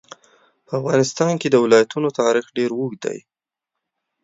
په افغانستان کې د ولایتونو تاریخ ډېر اوږد دی.